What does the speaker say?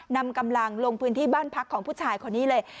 นำกำลังลงพื้นที่บ้านพักของผู้ชายคนนี้เลย